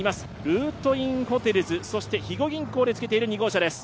ルートインホテルズ、肥後銀行につけている２号車です。